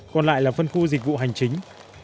còn lại là phân khu dịch vụ hành chính